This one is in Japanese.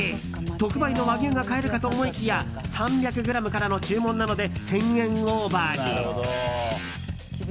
特売の和牛が買えるかと思いきや３００ｇからの注文なので１０００円オーバーに。